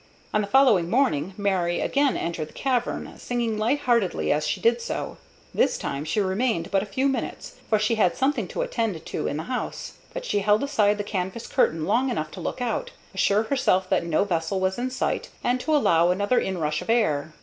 On the following morning Mary again entered the cavern, singing light heartedly as she did so. This time she remained but a few minutes, for she had something to attend to in the house; but she held aside the canvas curtain long enough to look out, assure herself that no vessel was in sight, and to allow another inrush of air.